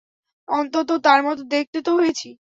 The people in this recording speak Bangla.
অন্তত তার মত দেখতে তো হয়েছি?